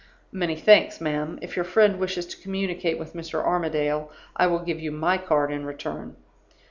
"'Many thanks, ma'am. If your friend wishes to communicate with Mr. Armadale, I will give you my card in return.